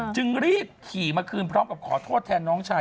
จึงรีบขี่มาคืนพร้อมกับขอโทษแทนน้องชาย